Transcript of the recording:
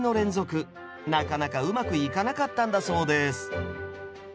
なかなかうまくいかなかったんだそうです